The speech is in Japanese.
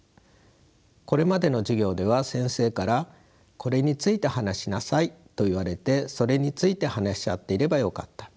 これまでの授業では先生からこれについて話しなさいと言われてそれについて話し合っていればよかった。